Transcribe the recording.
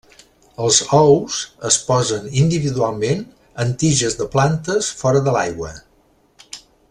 Els ous es posen individualment en tiges de plantes fora de l'aigua.